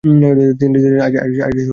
তিনি ছিলেন আইরিশ-ক্যাথোলিক বংশোদ্ভূত।